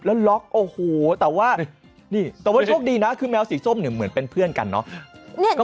แล้วล็อกโอ้โหแต่ว่านี่แต่ว่าโชคดีนะคือแมวสีส้มเนี่ยเหมือนเป็นเพื่อนกันเนอะ